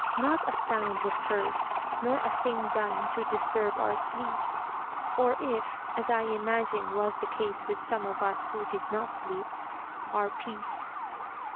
Not a sound was heard, nor a thing done to disturb our sleep, or if, as I imagine was the case with some of us who did not sleep, our peace.